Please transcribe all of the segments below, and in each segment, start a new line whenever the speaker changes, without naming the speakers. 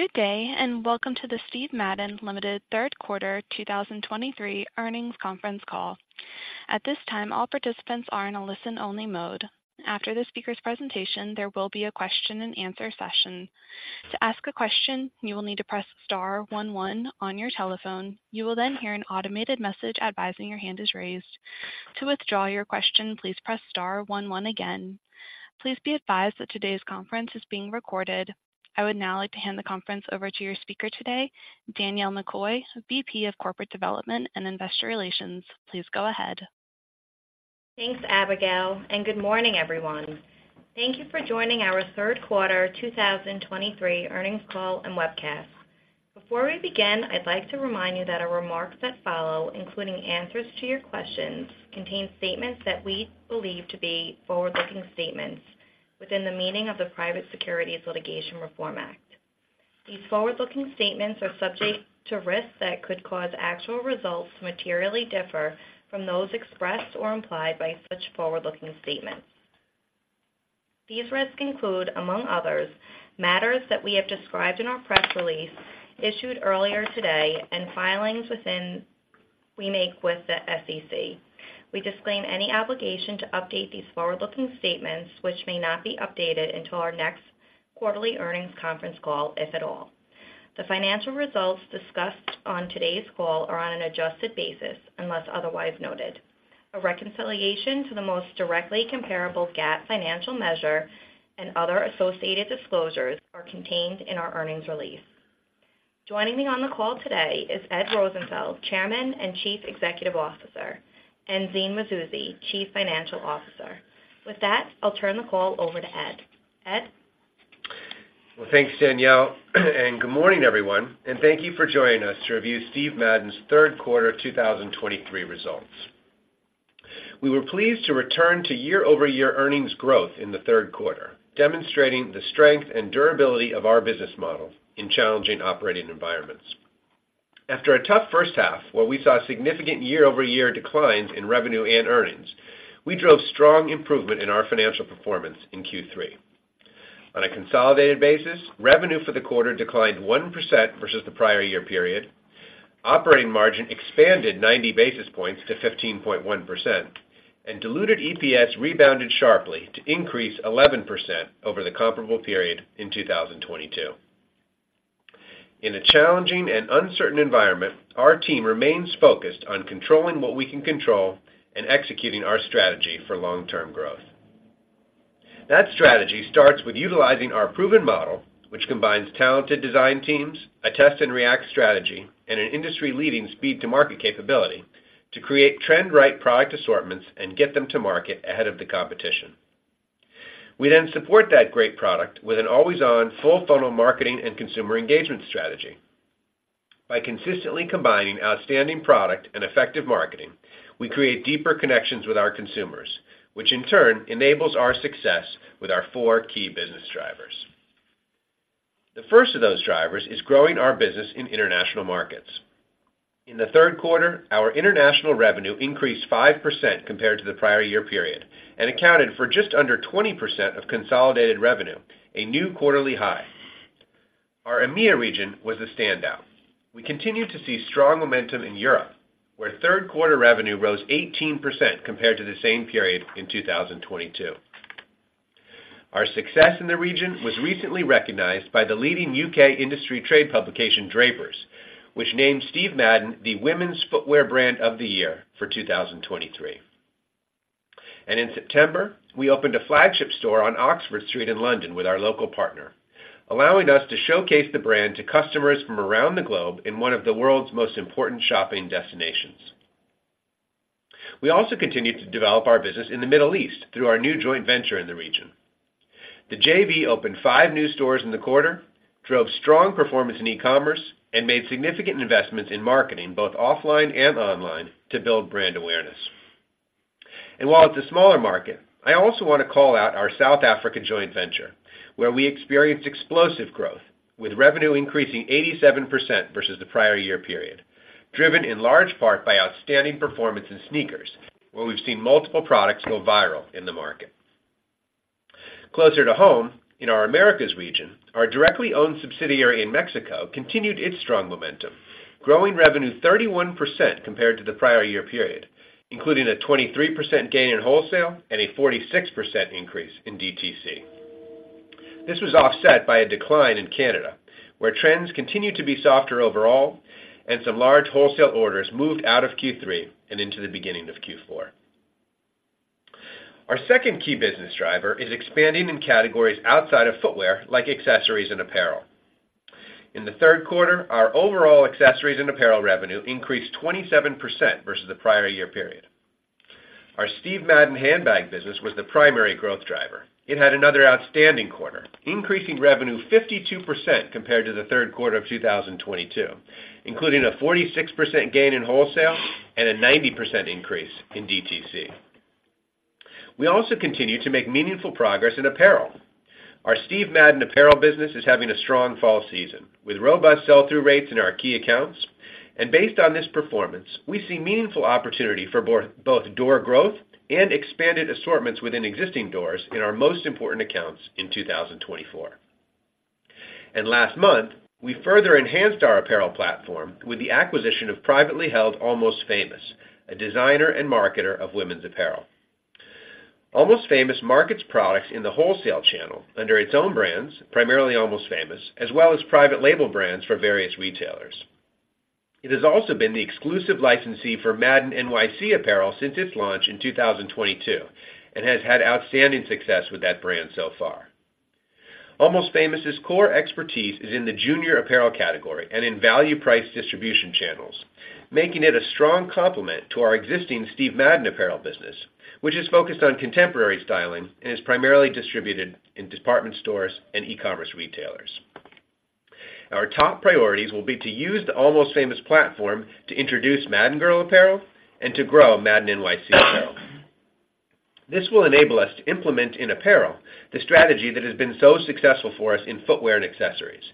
Good day, and welcome to the Steve Madden, Ltd. Third Quarter 2023 Earnings Conference Call. At this time, all participants are in a listen-only mode. After the speaker's presentation, there will be a question-and-answer session. To ask a question, you will need to press star one one on your telephone. You will then hear an automated message advising your hand is raised. To withdraw your question, please press star one one again. Please be advised that today's conference is being recorded. I would now like to hand the conference over to your speaker today, Danielle McCoy, VP of Corporate Development and Investor Relations. Please go ahead.
Thanks, Abigail, and good morning, everyone. Thank you for joining our Third Quarter 2023 Earnings Call and Webcast. Before we begin, I'd like to remind you that our remarks that follow, including answers to your questions, contain statements that we believe to be forward-looking statements within the meaning of the Private Securities Litigation Reform Act. These forward-looking statements are subject to risks that could cause actual results to materially differ from those expressed or implied by such forward-looking statements. These risks include, among others, matters that we have described in our press release issued earlier today and filings we make with the SEC. We disclaim any obligation to update these forward-looking statements, which may not be updated until our next quarterly earnings conference call, if at all. The financial results discussed on today's call are on an adjusted basis, unless otherwise noted. A reconciliation to the most directly comparable GAAP financial measure and other associated disclosures are contained in our earnings release. Joining me on the call today is Ed Rosenfeld, Chairman and Chief Executive Officer, and Zine Mazouzi, Chief Financial Officer. With that, I'll turn the call over to Ed. Ed?
Well, thanks, Danielle, and good morning, everyone, and thank you for joining us to review Steve Madden's Third Quarter 2023 Results. We were pleased to return to year-over-year earnings growth in the third quarter, demonstrating the strength and durability of our business model in challenging operating environments. After a tough first half, where we saw significant year-over-year declines in revenue and earnings, we drove strong improvement in our financial performance in Q3. On a consolidated basis, revenue for the quarter declined 1% versus the prior year period. Operating margin expanded 90 basis points to 15.1%, and diluted EPS rebounded sharply to increase 11% over the comparable period in 2022. In a challenging and uncertain environment, our team remains focused on controlling what we can control and executing our strategy for long-term growth. That strategy starts with utilizing our proven model, which combines talented design teams, a test-and-react strategy, and an industry-leading speed to market capability to create trend-right product assortments and get them to market ahead of the competition. We then support that great product with an always-on, full-funnel marketing and consumer engagement strategy. By consistently combining outstanding product and effective marketing, we create deeper connections with our consumers, which in turn enables our success with our four key business drivers. The first of those drivers is growing our business in international markets. In the third quarter, our international revenue increased 5% compared to the prior year period and accounted for just under 20% of consolidated revenue, a new quarterly high. Our EMEA region was a standout. We continued to see strong momentum in Europe, where third quarter revenue rose 18% compared to the same period in 2022. Our success in the region was recently recognized by the leading U.K. industry trade publication, Drapers, which named Steve Madden the Women's Footwear Brand of the Year for 2023. In September, we opened a flagship store on Oxford Street in London with our local partner, allowing us to showcase the brand to customers from around the globe in one of the world's most important shopping destinations. We also continued to develop our business in the Middle East through our new joint venture in the region. The JV opened five new stores in the quarter, drove strong performance in e-commerce, and made significant investments in marketing, both offline and online, to build brand awareness. While it's a smaller market, I also want to call out our South Africa joint venture, where we experienced explosive growth, with revenue increasing 87% versus the prior year period, driven in large part by outstanding performance in sneakers, where we've seen multiple products go viral in the market. Closer to home, in our Americas region, our directly owned subsidiary in Mexico continued its strong momentum, growing revenue 31% compared to the prior year period, including a 23% gain in wholesale and a 46% increase in DTC. This was offset by a decline in Canada, where trends continued to be softer overall, and some large wholesale orders moved out of Q3 and into the beginning of Q4. Our second key business driver is expanding in categories outside of footwear, like accessories and apparel. In the third quarter, our overall accessories and apparel revenue increased 27% versus the prior year period. Our Steve Madden handbag business was the primary growth driver. It had another outstanding quarter, increasing revenue 52% compared to the third quarter of 2022, including a 46% gain in wholesale and a 90% increase in DTC. We also continue to make meaningful progress in apparel. Our Steve Madden apparel business is having a strong fall season, with robust sell-through rates in our key accounts and based on this performance, we see meaningful opportunity for both, both door growth and expanded assortments within existing doors in our most important accounts in 2024. And last month, we further enhanced our apparel platform with the acquisition of privately held Almost Famous, a designer and marketer of women's apparel. Almost Famous markets products in the wholesale channel under its own brands, primarily Almost Famous, as well as private label brands for various retailers. It has also been the exclusive licensee for Madden NYC apparel since its launch in 2022, and has had outstanding success with that brand so far. Almost Famous' core expertise is in the junior apparel category and in value price distribution channels, making it a strong complement to our existing Steve Madden apparel business, which is focused on contemporary styling and is primarily distributed in department stores and e-commerce retailers. Our top priorities will be to use the Almost Famous platform to introduce Madden Girl apparel and to grow Madden NYC apparel. This will enable us to implement in apparel the strategy that has been so successful for us in footwear and accessories,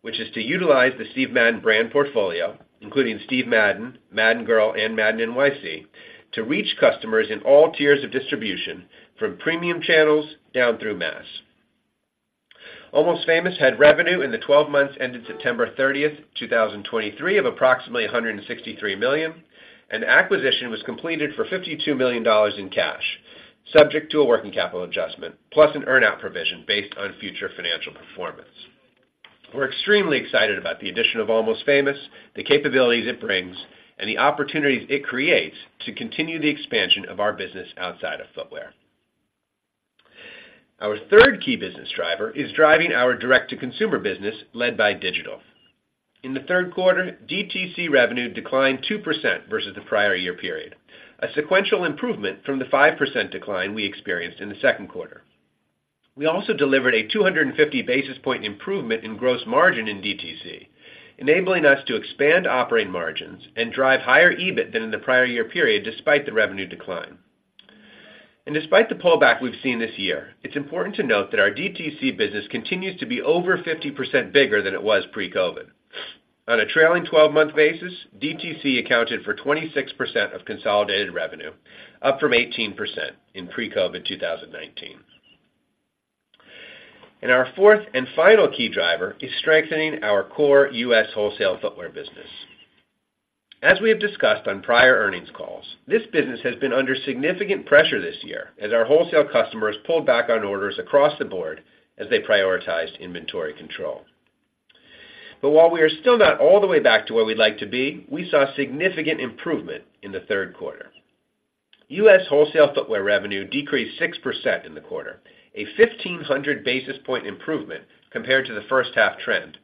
which is to utilize the Steve Madden brand portfolio, including Steve Madden, Madden Girl, and Madden NYC, to reach customers in all tiers of distribution, from premium channels down through mass. Almost Famous had revenue in the 12 months ended September 30, 2023, of approximately $163 million, and acquisition was completed for $52 million in cash, subject to a working capital adjustment plus an earn-out provision based on future financial performance. We're extremely excited about the addition of Almost Famous, the capabilities it brings, and the opportunities it creates to continue the expansion of our business outside of footwear. Our third key business driver is driving our direct-to-consumer business, led by digital. In the third quarter, DTC revenue declined 2% versus the prior year period, a sequential improvement from the 5% decline we experienced in the second quarter. We also delivered a 250 basis point improvement in gross margin in DTC, enabling us to expand operating margins and drive higher EBIT than in the prior year period, despite the revenue decline. Despite the pullback we've seen this year, it's important to note that our DTC business continues to be over 50% bigger than it was pre-COVID. On a trailing 12-month basis, DTC accounted for 26% of consolidated revenue, up from 18% in pre-COVID 2019. Our fourth and final key driver is strengthening our core U.S. wholesale footwear business. As we have discussed on prior earnings calls, this business has been under significant pressure this year as our wholesale customers pulled back on orders across the board as they prioritized inventory control. But while we are still not all the way back to where we'd like to be, we saw significant improvement in the third quarter. U.S. wholesale footwear revenue decreased 6% in the quarter, a 1,500 basis point improvement compared to the first half trend,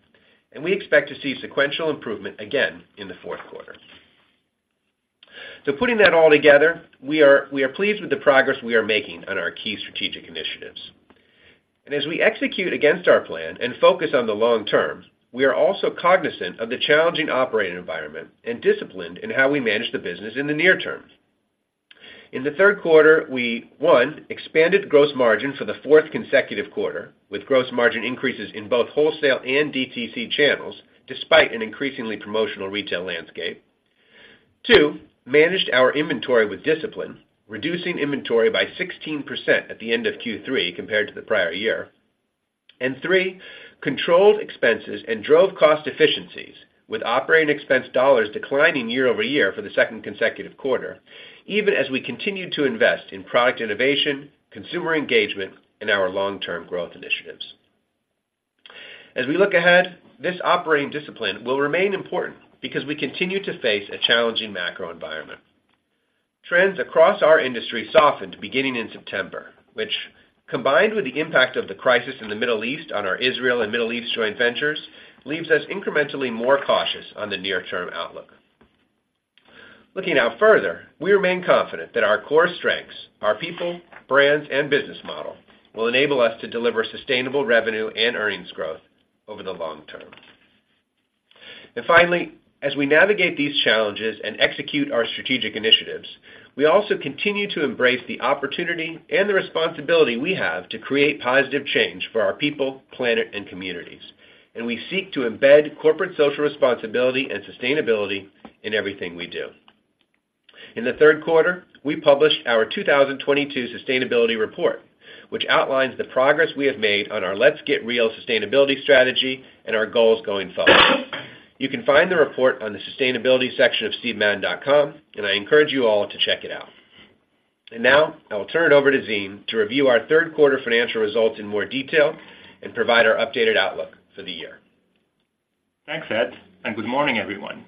and we expect to see sequential improvement again in the fourth quarter. So putting that all together, we are, we are pleased with the progress we are making on our key strategic initiatives. And as we execute against our plan and focus on the long term, we are also cognizant of the challenging operating environment and disciplined in how we manage the business in the near term. In the third quarter, we, one, expanded gross margin for the fourth consecutive quarter, with gross margin increases in both wholesale and DTC channels, despite an increasingly promotional retail landscape. Two, managed our inventory with discipline, reducing inventory by 16% at the end of Q3 compared to the prior year. And three, controlled expenses and drove cost efficiencies, with operating expense dollars declining year-over-year for the second consecutive quarter, even as we continued to invest in product innovation, consumer engagement, and our long-term growth initiatives. As we look ahead, this operating discipline will remain important because we continue to face a challenging macro environment. Trends across our industry softened beginning in September, which, combined with the impact of the crisis in the Middle East on our Israel and Middle East joint ventures, leaves us incrementally more cautious on the near-term outlook. Looking out further, we remain confident that our core strengths, our people, brands, and business model will enable us to deliver sustainable revenue and earnings growth over the long term. Finally, as we navigate these challenges and execute our strategic initiatives, we also continue to embrace the opportunity and the responsibility we have to create positive change for our people, planet, and communities, and we seek to embed corporate social responsibility and sustainability in everything we do. In the third quarter, we published our 2022 sustainability report, which outlines the progress we have made on our Let's Get Real sustainability strategy and our goals going forward. You can find the report on the sustainability section of stevemadden.com, and I encourage you all to check it out. Now I will turn it over to Zine to review our third quarter financial results in more detail and provide our updated outlook for the year.
Thanks, Ed, and good morning, everyone.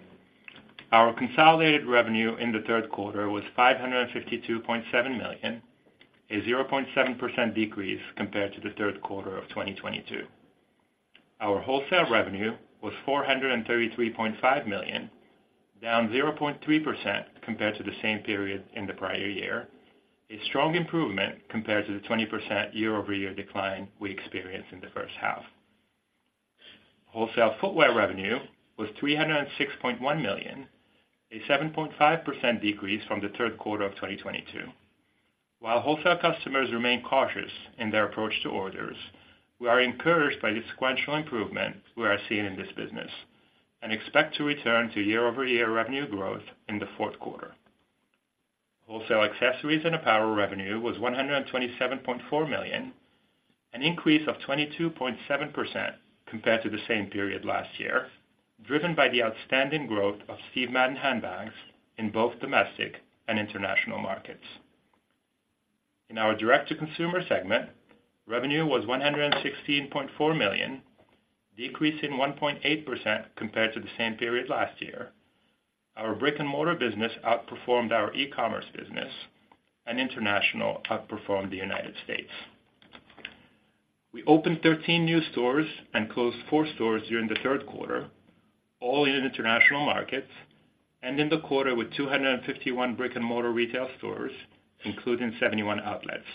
Our consolidated revenue in the third quarter was $552.7 million, a 0.7% decrease compared to the third quarter of 2022. Our wholesale revenue was $433.5 million, down 0.3% compared to the same period in the prior year, a strong improvement compared to the 20% year-over-year decline we experienced in the first half. Wholesale footwear revenue was $306.1 million, a 7.5% decrease from the third quarter of 2022. While wholesale customers remain cautious in their approach to orders, we are encouraged by the sequential improvement we are seeing in this business and expect to return to year-over-year revenue growth in the fourth quarter. Wholesale accessories and apparel revenue was $127.4 million, an increase of 22.7% compared to the same period last year, driven by the outstanding growth of Steve Madden handbags in both domestic and international markets. In our direct-to-consumer segment, revenue was $116.4 million, decreasing 1.8% compared to the same period last year. Our brick-and-mortar business outperformed our e-commerce business, and international outperformed the United States. We opened 13 new stores and closed four stores during the third quarter, all in international markets, and in the quarter with 251 brick-and-mortar retail stores, including 71 outlets,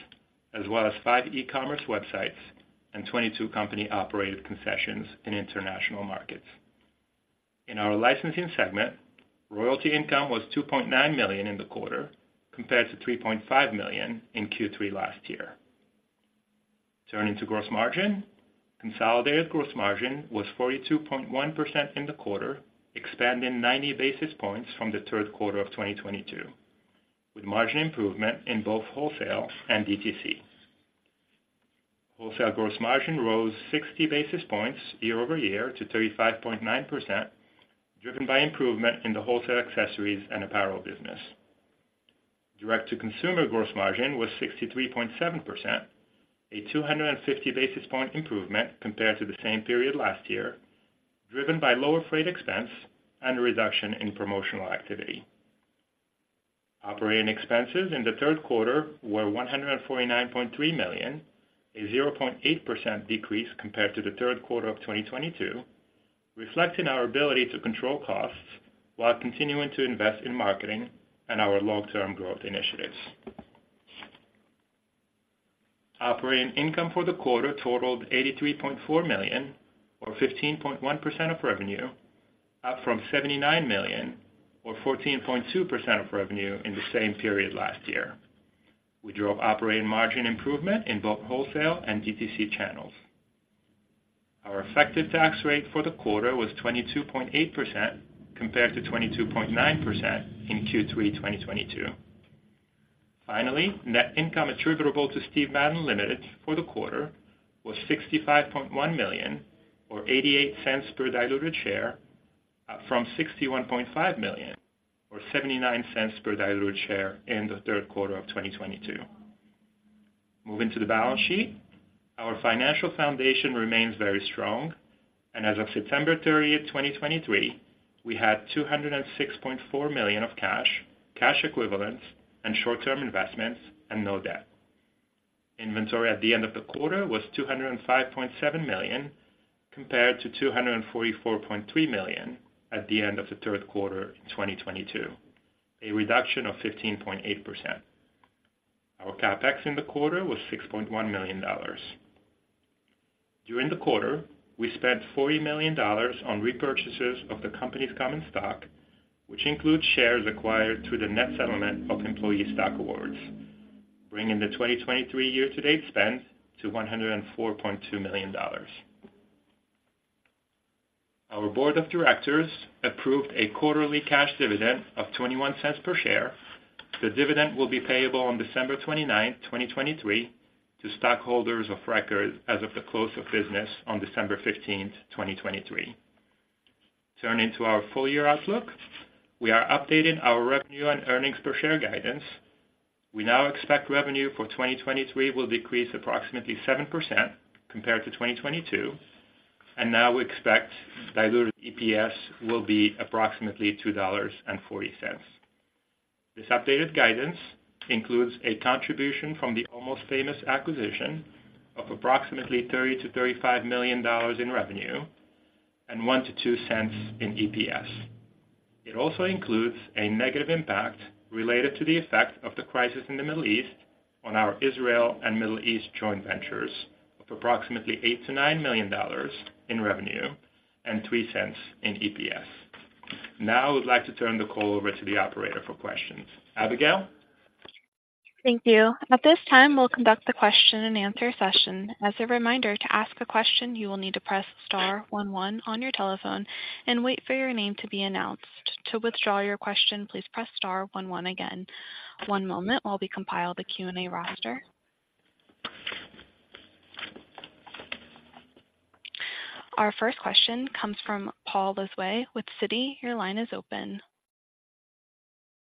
as well as five e-commerce websites and 22 company-operated concessions in international markets. In our licensing segment, royalty income was $2.9 million in the quarter, compared to $3.5 million in Q3 last year. Turning to gross margin. Consolidated gross margin was 42.1% in the quarter, expanding 90 basis points from the third quarter of 2022, with margin improvement in both wholesale and DTC. Wholesale gross margin rose 60 basis points year-over-year to 35.9%, driven by improvement in the wholesale accessories and apparel business. Direct-to-consumer gross margin was 63.7%, a 250 basis point improvement compared to the same period last year, driven by lower freight expense and a reduction in promotional activity. Operating expenses in the third quarter were $149.3 million, a 0.8% decrease compared to the third quarter of 2022, reflecting our ability to control costs while continuing to invest in marketing and our long-term growth initiatives. Operating income for the quarter totaled $83.4 million, or 15.1% of revenue, up from $79 million, or 14.2% of revenue in the same period last year. We drove operating margin improvement in both wholesale and DTC channels. Our effective tax rate for the quarter was 22.8%, compared to 22.9% in Q3 2022. Finally, net income attributable to Steve Madden, Ltd. for the quarter was $65.1 million, or $0.88 per diluted share, up from $61.5 million, or $0.79 per diluted share in the third quarter of 2022. Moving to the balance sheet. Our financial foundation remains very strong, and as of September 30, 2023, we had $206.4 million of cash, cash equivalents, and short-term investments and no debt. Inventory at the end of the quarter was $205.7 million, compared to $244.3 million at the end of the third quarter in 2022, a reduction of 15.8%. Our CapEx in the quarter was $6.1 million. During the quarter, we spent $40 million on repurchases of the company's common stock, which includes shares acquired through the net settlement of employee stock awards, bringing the 2023 year-to-date spend to $104.2 million. Our board of directors approved a quarterly cash dividend of $0.21 per share. The dividend will be payable on December 29th, 2023, to stockholders of record as of the close of business on December 15th, 2023. Turning to our full-year outlook, we are updating our revenue and earnings per share guidance. We now expect revenue for 2023 will decrease approximately 7% compared to 2022, and now we expect diluted EPS will be approximately $2.40. This updated guidance includes a contribution from the Almost Famous acquisition of approximately $30 million-$35 million in revenue and $0.01-$0.02 in EPS. It also includes a negative `impact related to the effect of the crisis in the Middle East on our Israel and Middle East joint ventures of approximately $8 million-$9 million in revenue and $0.03 in EPS. Now, I would like to turn the call over to the operator for questions. Abigail?
Thank you. At this time, we'll conduct the question-and-answer session. As a reminder, to ask a question, you will need to press star one one on your telephone and wait for your name to be announced. To withdraw your question, please press star one one again. One moment while we compile the Q&A roster. Our first question comes from Paul Lejuez with Citi. Your line is open.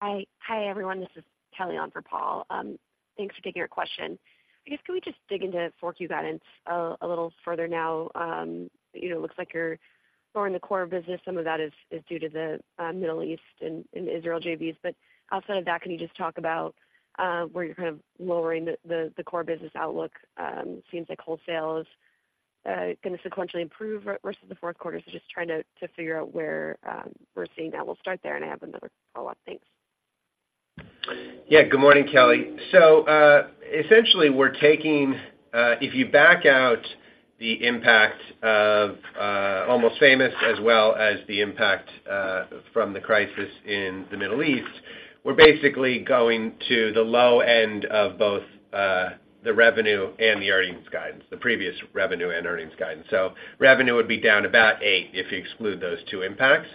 Hi, hi, everyone. This is Kelly on for Paul. Thanks for taking our question. I guess, can we just dig into 4Q guidance a little further now? You know, it looks like you're lowering the core business. Some of that is due to the Middle East and Israel JVs. But outside of that, can you just talk about where you're kind of lowering the core business outlook? Seems like wholesale is gonna sequentially improve versus the fourth quarter. So just trying to figure out where we're seeing that. We'll start there, and I have another follow-up. Thanks.
Yeah, good morning, Kelly. So, essentially, we're taking... If you back out the impact, Almost Famous, as well as the impact from the crisis in the Middle East, we're basically going to the low end of both the revenue and the earnings guidance, the previous revenue and earnings guidance. Revenue would be down about eight if you exclude those two impacts.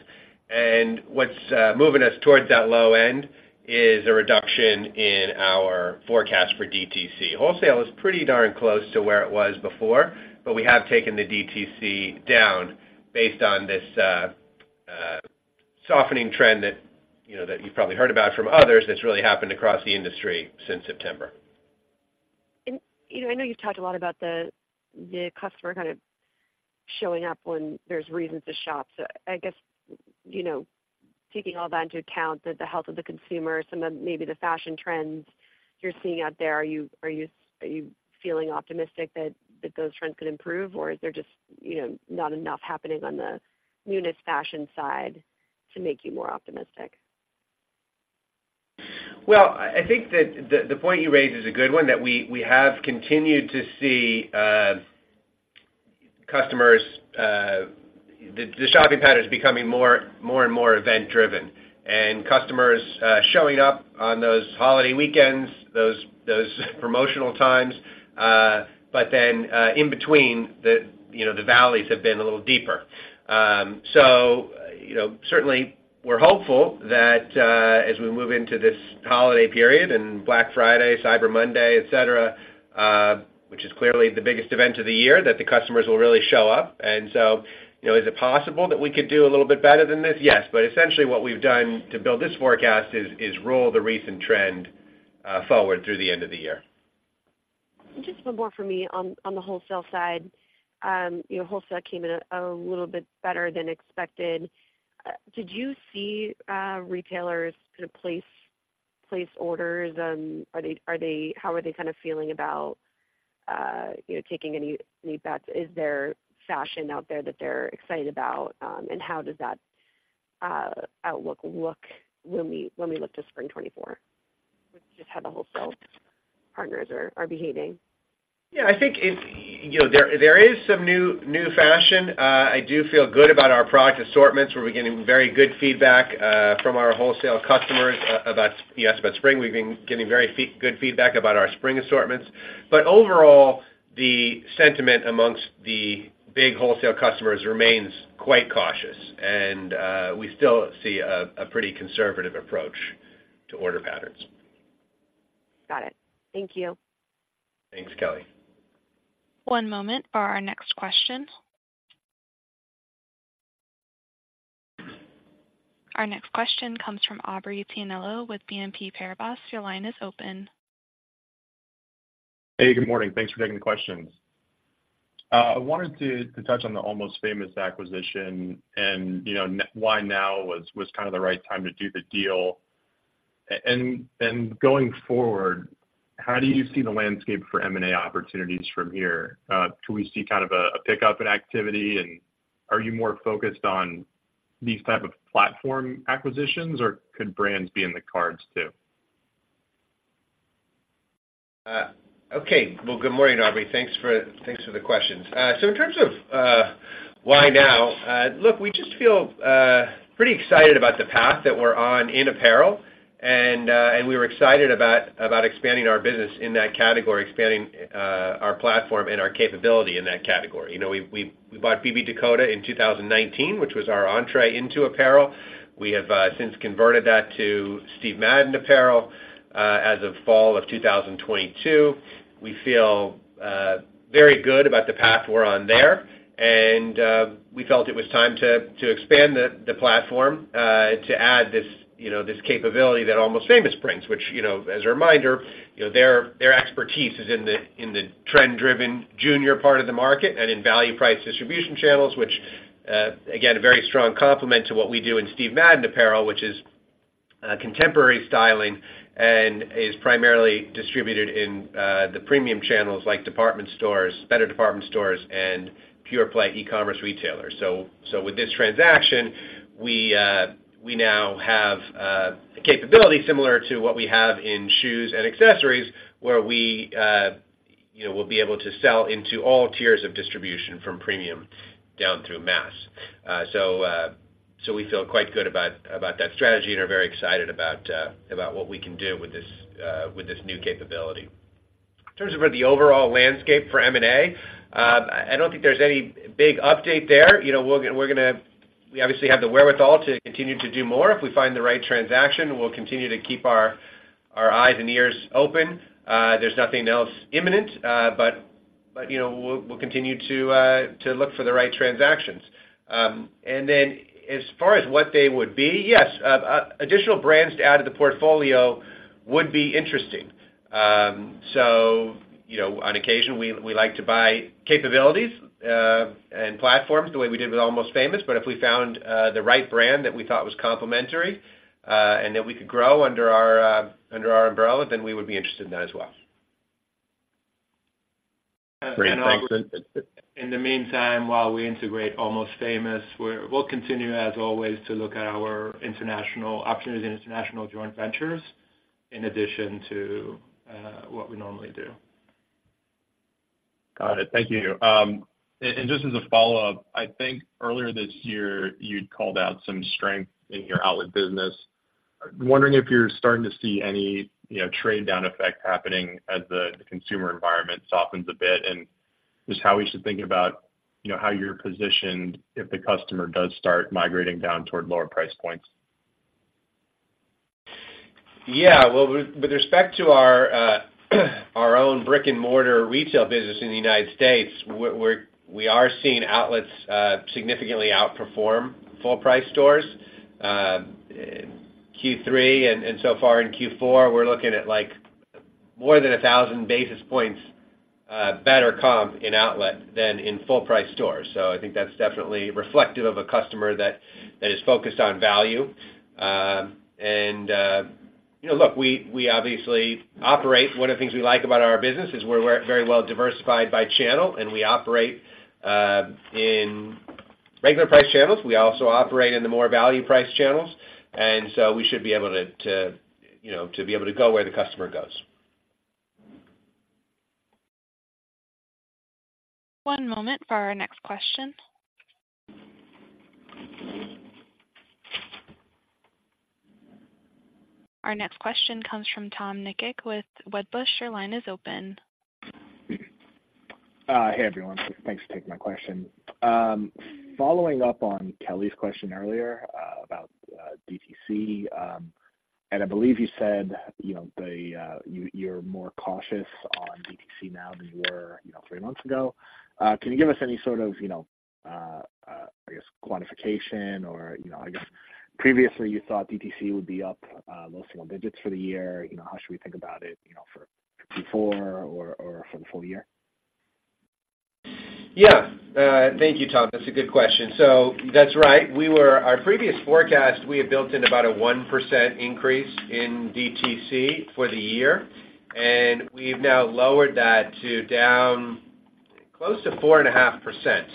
What's moving us towards that low end is a reduction in our forecast for DTC. Wholesale is pretty darn close to where it was before, but we have taken the DTC down based on this softening trend that, you know, that you've probably heard about from others, that's really happened across the industry since September.
You know, I know you've talked a lot about the customer kind of showing up when there's reasons to shop. So I guess, you know, taking all that into account, the health of the consumer, some of maybe the fashion trends you're seeing out there, are you feeling optimistic that those trends could improve, or is there just, you know, not enough happening on the newness fashion side to make you more optimistic?
Well, I think that the point you raise is a good one, that we have continued to see customers, the shopping pattern is becoming more and more event driven. And customers showing up on those holiday weekends, those promotional times, but then in between the, you know, the valleys have been a little deeper. So, you know, certainly we're hopeful that as we move into this holiday period and Black Friday, Cyber Monday, et cetera, which is clearly the biggest event of the year, that the customers will really show up. And so, you know, is it possible that we could do a little bit better than this? Yes. But essentially, what we've done to build this forecast is roll the recent trend forward through the end of the year.
And just one more for me on the wholesale side. You know, wholesale came in a little bit better than expected. Did you see retailers kind of place orders? Are they, how are they kind of feeling about you know, taking any bets? Is there fashion out there that they're excited about? And how does that outlook look when we look to spring 2024? Just how the wholesale partners are behaving.
Yeah, I think it. You know, there is some new fashion. I do feel good about our product assortments. We're getting very good feedback from our wholesale customers about spring. We've been getting very good feedback about our spring assortments. But overall, the sentiment among the big wholesale customers remains quite cautious, and we still see a pretty conservative approach to order patterns.
Got it. Thank you.
Thanks, Kelly.
One moment for our next question. Our next question comes from Aubrey Tianello with BNP Paribas. Your line is open.
Hey, good morning. Thanks for taking the questions. I wanted to touch on the Almost Famous acquisition and, you know, why now was kind of the right time to do the deal. And going forward, how do you see the landscape for M&A opportunities from here? Do we see kind of a pickup in activity, and are you more focused on these type of platform acquisitions, or could brands be in the cards, too?
Okay. Well, good morning, Aubrey. Thanks for, thanks for the questions. So in terms of, why now? Look, we just feel pretty excited about the path that we're on in apparel, and, and we were excited about, about expanding our business in that category, expanding, our platform and our capability in that category. You know, we, we, we bought BB Dakota in 2019, which was our entree into apparel. We have, since converted that to Steve Madden apparel, as of fall of 2022. We feel very good about the path we're on there, and we felt it was time to expand the platform to add this, you know, this capability that Almost Famous brings, which, you know, as a reminder, you know, their expertise is in the trend-driven junior part of the market and in value price distribution channels, which again, a very strong complement to what we do in Steve Madden apparel, which is contemporary styling and is primarily distributed in the premium channels like department stores, better department stores and pure play e-commerce retailers. So with this transaction, we now have a capability similar to what we have in shoes and accessories, where we, you know, will be able to sell into all tiers of distribution from premium down through mass. So we feel quite good about that strategy and are very excited about what we can do with this new capability. In terms of the overall landscape for M&A, I don't think there's any big update there. You know, we're gonna. We obviously have the wherewithal to continue to do more. If we find the right transaction, we'll continue to keep our eyes and ears open. There's nothing else imminent, but you know, we'll continue to look for the right transactions. And then as far as what they would be, yes, additional brands to add to the portfolio would be interesting. So, you know, on occasion, we like to buy capabilities and platforms the way we did with Almost Famous. But if we found the right brand that we thought was complementary, and that we could grow under our umbrella, then we would be interested in that as well.
Great. Thanks.
In the meantime, while we integrate Almost Famous, we'll continue, as always, to look at our international opportunities in international joint ventures in addition to what we normally do.
Got it. Thank you. And just as a follow-up, I think earlier this year, you'd called out some strength in your outlet business. I'm wondering if you're starting to see any, you know, trade down effect happening as the consumer environment softens a bit, and just how we should think about, you know, how you're positioned if the customer does start migrating down toward lower price points?
Yeah, well, with respect to our own brick-and-mortar retail business in the United States, we are seeing outlets significantly outperform full price stores. Q3, and so far in Q4, we're looking at, like, more than 1,000 basis points better comp in outlet than in full price stores. So I think that's definitely reflective of a customer that is focused on value. And, you know, look, we obviously operate. One of the things we like about our business is we're very well diversified by channel, and we operate in regular price channels. We also operate in the more value price channels, and so we should be able to, you know, to be able to go where the customer goes.
One moment for our next question. Our next question comes from Tom Nikic with Wedbush. Your line is open.
Hey, everyone. Thanks for taking my question. Following up on Kelly's question earlier, about DTC, and I believe you said, you know, you're more cautious on DTC now than you were, you know, three months ago. Can you give us any sort of, you know, I guess, quantification or, you know, I guess previously you thought DTC would be up low single digits for the year. You know, how should we think about it, you know, for Q4 or for the full year?
Yeah. Thank you, Tom. That's a good question. So that's right. Our previous forecast, we had built in about a 1% increase in DTC for the year, and we've now lowered that to down close to 4.5%,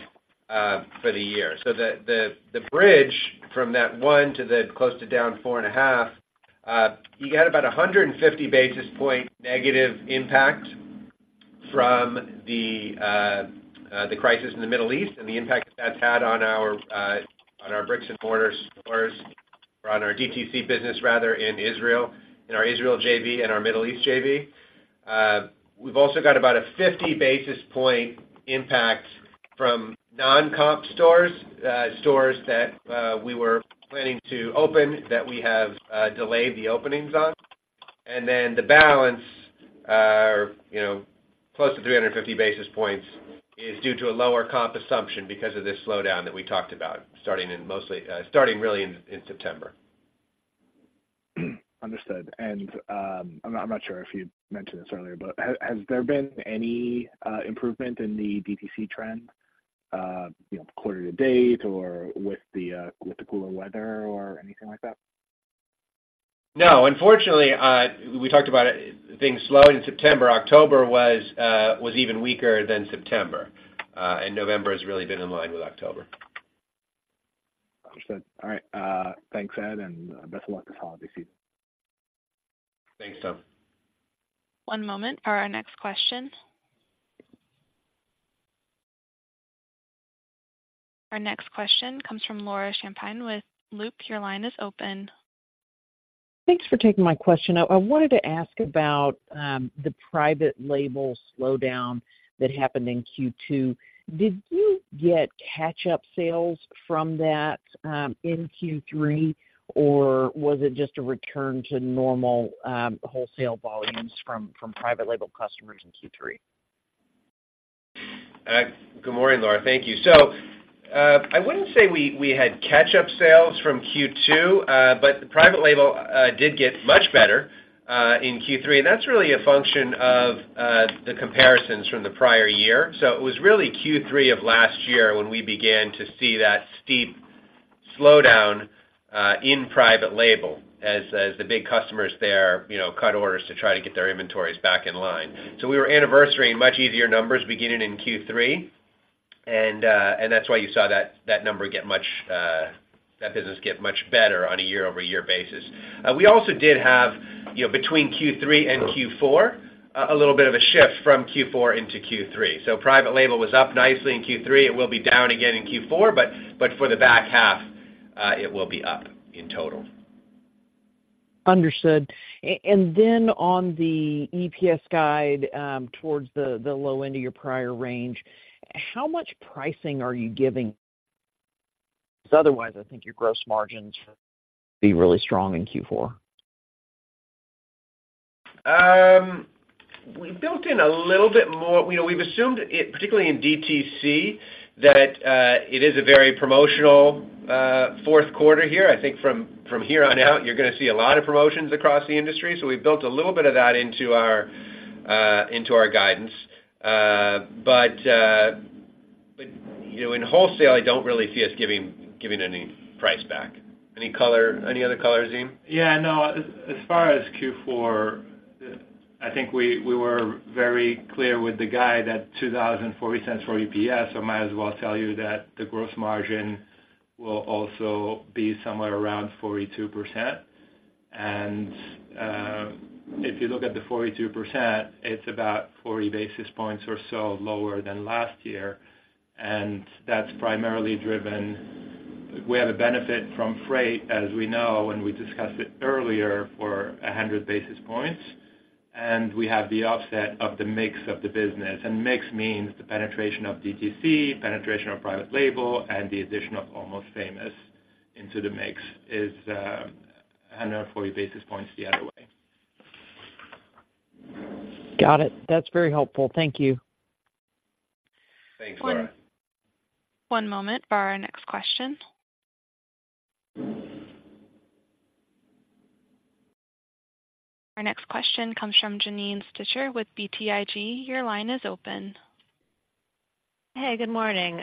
for the year. So the bridge from that 1% to the close to down 4.5%, you got about 150 basis point negative impact from the crisis in the Middle East and the impact that's had on our bricks-and-mortar stores, or on our DTC business, rather, in Israel, in our Israel JV and our Middle East JV. \We've also got about 50 basis point impact from non-comp stores, stores that we were planning to open, that we have delayed the openings on. And then the balance, you know, close to 350 basis points, is due to a lower comp assumption because of this slowdown that we talked about starting really in September.
Understood. And, I'm not sure if you mentioned this earlier, but has there been any improvement in the DTC trend, you know, quarter-to-date or with the, with the cooler weather or anything like that?
No, unfortunately, we talked about it, things slowing in September. October was, was even weaker than September, and November has really been in line with October.
Understood. All right. Thanks, Ed, and best of luck this holiday season.
Thanks, Tom.
One moment for our next question. Our next question comes from Laura Champine with Loop Capital. Your line is open.
Thanks for taking my question. I wanted to ask about the private label slowdown that happened in Q2. Did you get catch-up sales from that in Q3, or was it just a return to normal wholesale volumes from private label customers in Q3?
Good morning, Laura. Thank you. So, I wouldn't say we had catch-up sales from Q2, but the private label did get much better in Q3, and that's really a function of the comparisons from the prior year. So it was really Q3 of last year when we began to see that steep slowdown in private label as the big customers there, you know, cut orders to try to get their inventories back in line. So we were anniversarying much easier numbers beginning in Q3, and that's why you saw that number get much, that business get much better on a year-over-year basis. We also did have, you know, between Q3 and Q4, a little bit of a shift from Q4 into Q3. So private label was up nicely in Q3. It will be down again in Q4, but for the back half, it will be up in total.
Understood. And then on the EPS guide, towards the low end of your prior range, how much pricing are you giving? Because otherwise, I think your gross margins should be really strong in Q4.
We built in a little bit more. You know, we've assumed, particularly in DTC, that it is a very promotional fourth quarter here. I think from here on out, you're gonna see a lot of promotions across the industry. So we've built a little bit of that into our into our guidance. But, you know, in wholesale, I don't really see us giving any price back. Any color? Any other color, Zine?
Yeah, no. As far as Q4, I think we were very clear with the guide that $20.40 for EPS. I might as well tell you that the gross margin will also be somewhere around 42%. If you look at the 42%, it's about 40 basis points or so lower than last year, and that's primarily driven. We have a benefit from freight, as we know, and we discussed it earlier, for 100 basis points, and we have the offset of the mix of the business. And mix means the penetration of DTC, penetration of private label, and the addition of Almost Famous into the mix is 140 basis points the other way.
Got it. That's very helpful. Thank you.
Thanks, Laura.
One moment for our next question. Our next question comes from Janine Stichter with BTIG. Your line is open.
Hey, good morning.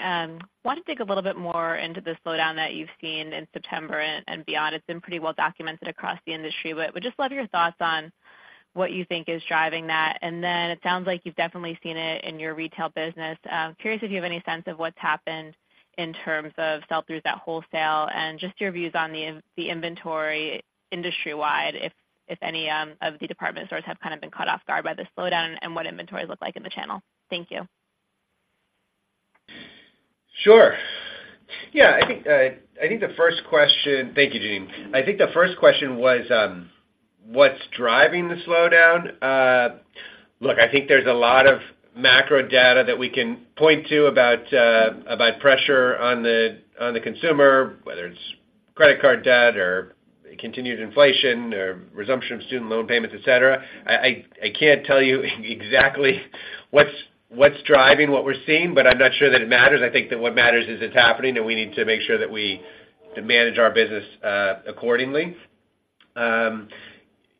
Wanted to dig a little bit more into the slowdown that you've seen in September and beyond. It's been pretty well documented across the industry, but would just love your thoughts on what you think is driving that. And then it sounds like you've definitely seen it in your retail business. Curious if you have any sense of what's happened in terms of sell-throughs at wholesale, and just your views on the inventory industry-wide, if any of the department stores have kind of been caught off guard by the slowdown, and what inventories look like in the channel. Thank you.
Sure. Yeah, I think the first question. Thank you, Janine. I think the first question was, what's driving the slowdown? Look, I think there's a lot of macro data that we can point to about pressure on the consumer, whether it's credit card debt, or continued inflation, or resumption of student loan payments, et cetera. I can't tell you exactly what's driving what we're seeing, but I'm not sure that it matters. I think that what matters is it's happening, and we need to make sure that we manage our business, accordingly.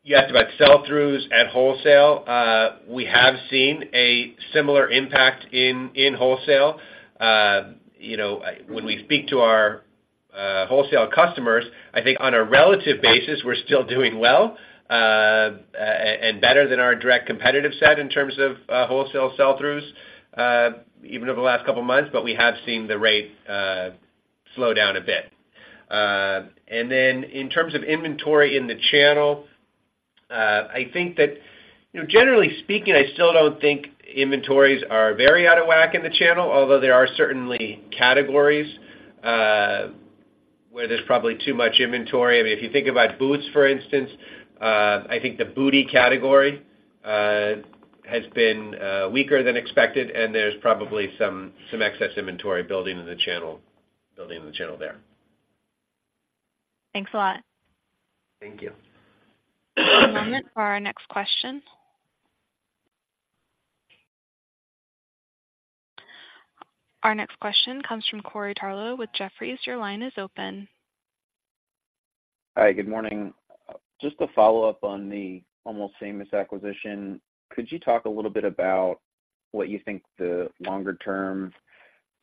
You asked about sell-throughs at wholesale. We have seen a similar impact in wholesale. You know, when we speak to our wholesale customers, I think on a relative basis, we're still doing well, and better than our direct competitive set in terms of wholesale sell-throughs, even over the last couple of months. But we have seen the rate slow down a bit. And then in terms of inventory in the channel, I think that, you know, generally speaking, I still don't think inventories are very out of whack in the channel, although there are certainly categories where there's probably too much inventory. I mean, if you think about boots, for instance, I think the bootie category has been weaker than expected, and there's probably some excess inventory building in the channel, building in the channel there.
Thanks a lot.
Thank you.
One moment for our next question. Our next question comes from Corey Tarlowe with Jefferies. Your line is open.
Hi, good morning. Just to follow up on the Almost Famous acquisition, could you talk a little bit about what you think the longer-term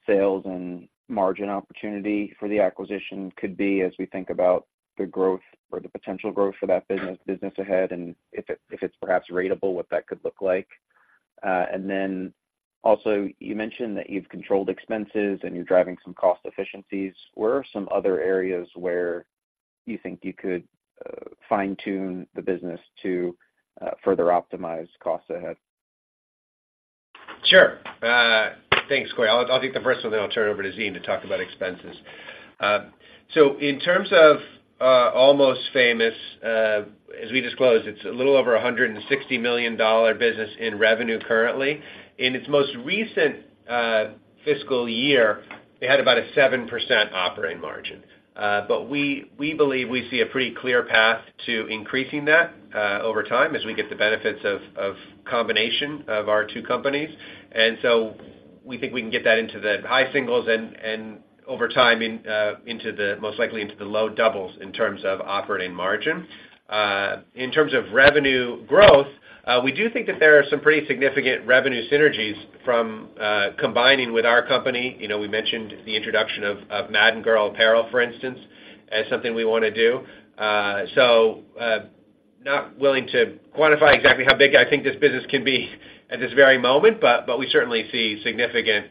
sales and margin opportunity for the acquisition could be as we think about the growth or the potential growth for that business, business ahead, and if it, if it's perhaps ratable, what that could look like? And then also, you mentioned that you've controlled expenses and you're driving some cost efficiencies. Where are some other areas where you think you could fine-tune the business to further optimize costs ahead?
Sure. Thanks, Corey. I'll, I'll take the first one, then I'll turn it over to Zine to talk about expenses. So in terms of, Almost Famous, as we disclosed, it's a little over $160 million business in revenue currently. In its most recent, fiscal year, they had about a 7% operating margin. But we, we believe we see a pretty clear path to increasing that, over time as we get the benefits of, of combination of our two companies. And so we think we can get that into the high singles and, and over time, in, into the most likely into the low doubles in terms of operating margin. In terms of revenue growth, we do think that there are some pretty significant revenue synergies from, combining with our company. You know, we mentioned the introduction of Madden Girl apparel, for instance, as something we want to do. So, not willing to quantify exactly how big I think this business can be at this very moment, but we certainly see significant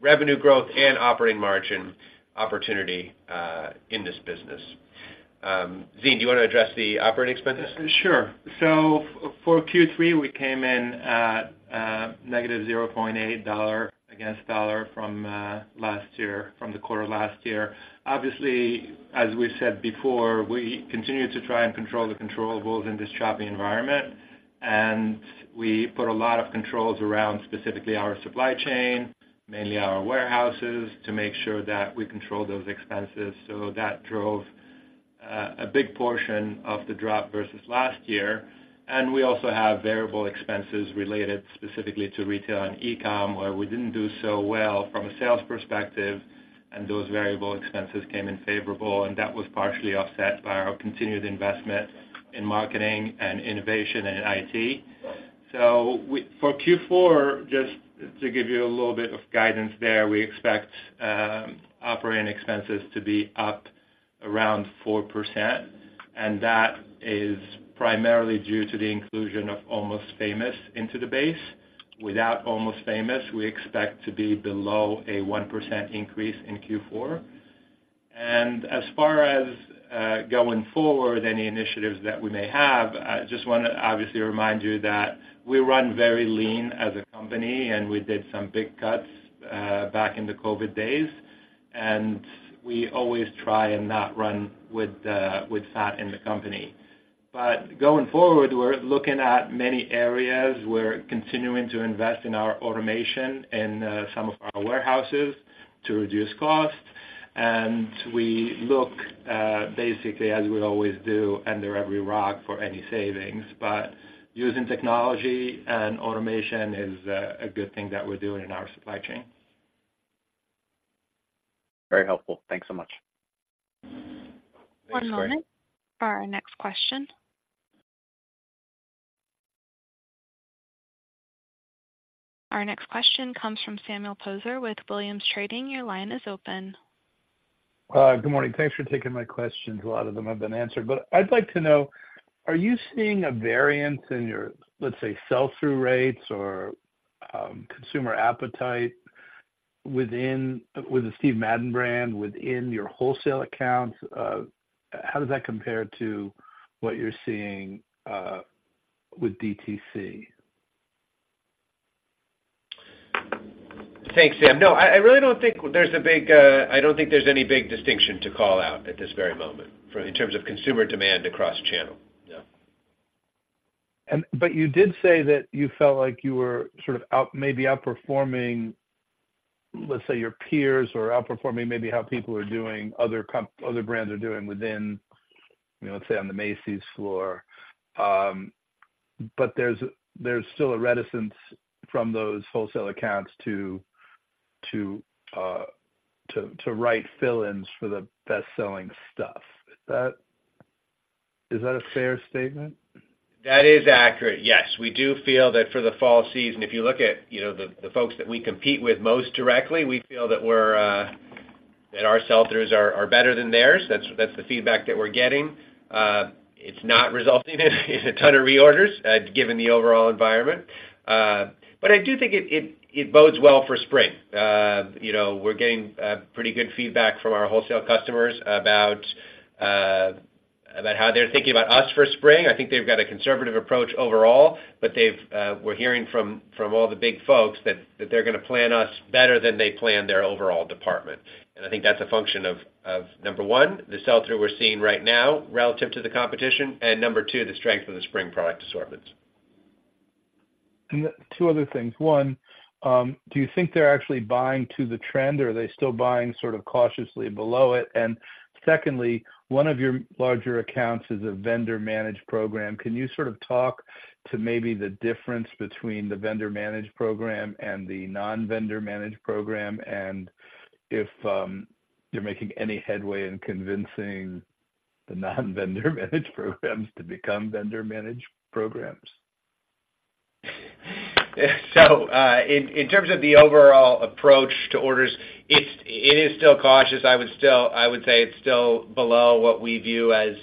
revenue growth and operating margin opportunity in this business. Zine, do you want to address the operating expenses?
Sure. So for Q3, we came in at -$0.8 against $1 from last year, from the quarter last year. Obviously, as we said before, we continue to try and control the controllables in this choppy environment, and we put a lot of controls around, specifically our supply chain, mainly our warehouses, to make sure that we control those expenses. So that drove a big portion of the drop versus last year. And we also have variable expenses related specifically to retail and e-com, where we didn't do so well from a sales perspective, and those variable expenses came in favorable, and that was partially offset by our continued investment in marketing and innovation and IT. So, for Q4, just to give you a little bit of guidance there, we expect operating expenses to be up around 4%, and that is primarily due to the inclusion of Almost Famous into the base. Without Almost Famous, we expect to be below a 1% increase in Q4. And as far as going forward, any initiatives that we may have, I just want to obviously remind you that we run very lean as a company, and we did some big cuts back in the COVID days, and we always try and not run with, with fat in the company. But going forward, we're looking at many areas. We're continuing to invest in our automation in some of our warehouses to reduce costs. And we look basically as we always do, under every rock for any savings. But using technology and automation is a good thing that we're doing in our supply chain.
Very helpful. Thanks so much.
One moment for our next question. Our next question comes from Samuel Poser with Williams Trading. Your line is open.
Good morning. Thanks for taking my questions. A lot of them have been answered, but I'd like to know, are you seeing a variance in your, let's say, sell-through rates or, consumer appetite within, with the Steve Madden brand, within your wholesale accounts? How does that compare to what you're seeing, with DTC?
Thanks, Sam. No, I really don't think there's a big. I don't think there's any big distinction to call out at this very moment for... In terms of consumer demand across channel. Yeah.
But you did say that you felt like you were sort of out, maybe outperforming, let's say, your peers, or outperforming maybe how people are doing, other brands are doing within, you know, let's say, on the Macy's floor. But there's still a reticence from those wholesale accounts to write fill-ins for the best-selling stuff. Is that a fair statement?
That is accurate. Yes, we do feel that for the fall season, if you look at, you know, the folks that we compete with most directly, we feel that we're that our sell-throughs are better than theirs. That's the feedback that we're getting. It's not resulting in a ton of reorders, given the overall environment. But I do think it bodes well for spring. You know, we're getting pretty good feedback from our wholesale customers about how they're thinking about us for spring. I think they've got a conservative approach overall, but they've... We're hearing from all the big folks that they're going to plan us better than they planned their overall department. I think that's a function of number one, the sell-through we're seeing right now relative to the competition, and number two, the strength of the spring product assortments.
Two other things. One, do you think they're actually buying to the trend, or are they still buying sort of cautiously below it? Secondly, one of your larger accounts is a vendor-managed program. Can you sort of talk to maybe the difference between the vendor-managed program and the non-vendor-managed program, and if you're making any headway in convincing the non-vendor-managed programs to become vendor-managed programs?
So, in terms of the overall approach to orders, it is still cautious. I would say it's still below what we view as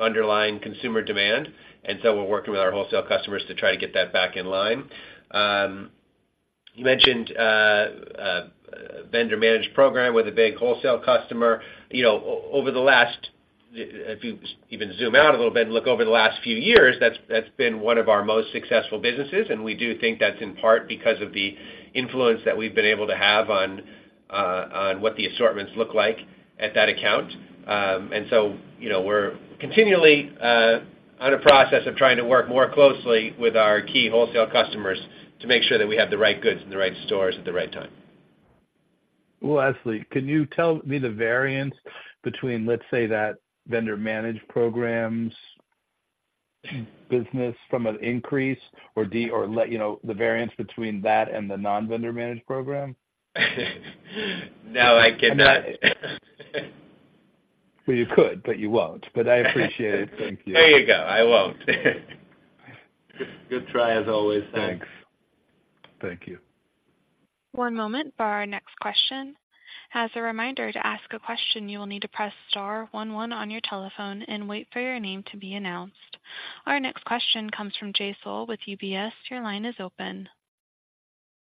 underlying consumer demand, and so we're working with our wholesale customers to try to get that back in line. You mentioned a vendor-managed program with a big wholesale customer. You know, over the last... If you even zoom out a little bit and look over the last few years, that's been one of our most successful businesses, and we do think that's in part because of the influence that we've been able to have on what the assortments look like at that account. You know, we're continually on a process of trying to work more closely with our key wholesale customers to make sure that we have the right goods in the right stores at the right time.
Well, lastly, can you tell me the variance between, let's say, that vendor-managed programs business from an increase or, you know, the variance between that and the non-vendor-managed program?
No, I cannot.
Well, you could, but you won't. But I appreciate it. Thank you.
There you go. I won't. Good try, as always. Thanks.
Thanks. Thank you.
One moment for our next question. As a reminder, to ask a question, you will need to press star one one on your telephone and wait for your name to be announced. Our next question comes from Jay Sole with UBS. Your line is open.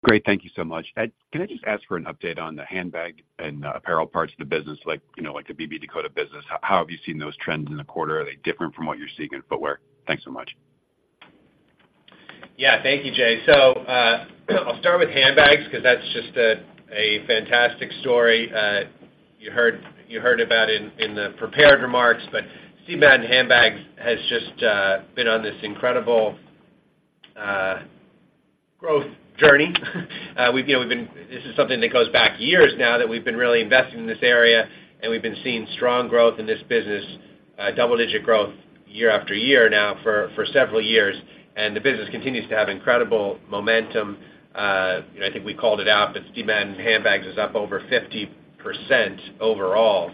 Great. Thank you so much. Can I just ask for an update on the handbag and apparel parts of the business? Like, you know, like the BB Dakota business. How have you seen those trends in the quarter? Are they different from what you're seeing in footwear? Thanks so much.
Yeah, thank you, Jay. So, I'll start with handbags, because that's just a fantastic story. You heard about it in the prepared remarks, but Steve Madden handbags has just been on this incredible growth journey. We've, you know, we've been. This is something that goes back years now, that we've been really investing in this area, and we've been seeing strong growth in this business. Double-digit growth year after year now for several years, and the business continues to have incredible momentum. You know, I think we called it out, but Steve Madden handbags is up over 50% overall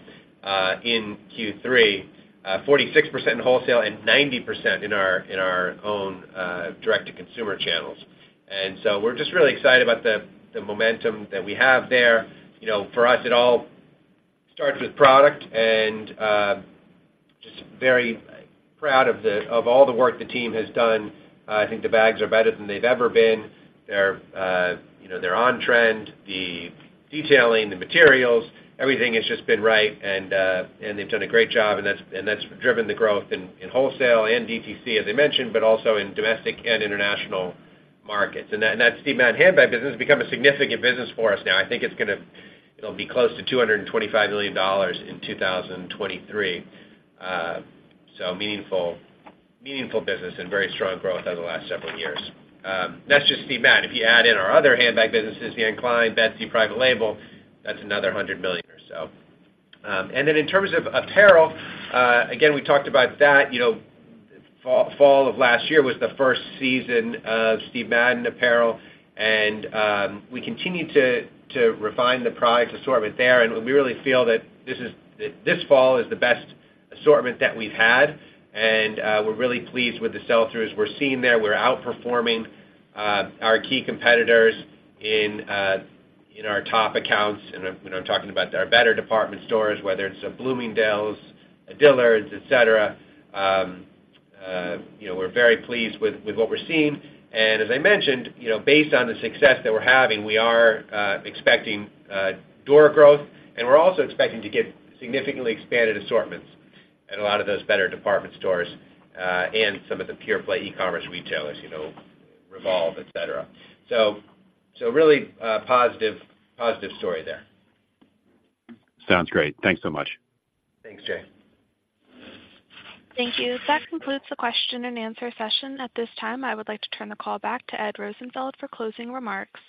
in Q3. 46% in wholesale and 90% in our own direct-to-consumer channels. And so we're just really excited about the momentum that we have there. You know, for us, it all starts with product and very proud of all the work the team has done. I think the bags are better than they've ever been. They're, you know, they're on trend. The detailing, the materials, everything has just been right, and they've done a great job, and that's driven the growth in wholesale and DTC, as I mentioned, but also in domestic and international markets. And that Steve Madden handbag business has become a significant business for us now. I think it'll be close to $225 million in 2023. So meaningful, meaningful business and very strong growth over the last several years. That's just Steve Madden. If you add in our other handbag businesses, Anne Klein, Betsey, private label, that's another $100 million or so. And then in terms of apparel, again, we talked about that, you know, fall of last year was the first season of Steve Madden apparel, and we continue to refine the product assortment there. And we really feel that this is that this fall is the best assortment that we've had, and we're really pleased with the sell-throughs we're seeing there. We're outperforming our key competitors in our top accounts, and, you know, I'm talking about our better department stores, whether it's a Bloomingdale's, a Dillard's, et cetera. You know, we're very pleased with what we're seeing. As I mentioned, you know, based on the success that we're having, we are expecting door growth, and we're also expecting to get significantly expanded assortments at a lot of those better department stores, and some of the pure-play e-commerce retailers, you know, Revolve, et cetera. So really positive story there.
Sounds great. Thanks so much.
Thanks, Jay.
Thank you. That concludes the question and answer session. At this time, I would like to turn the call back to Ed Rosenfeld for closing remarks.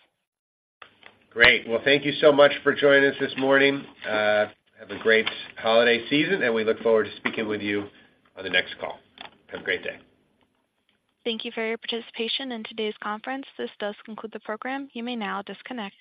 Great. Well, thank you so much for joining us this morning. Have a great holiday season, and we look forward to speaking with you on the next call. Have a great day.
Thank you for your participation in today's conference. This does conclude the program. You may now disconnect.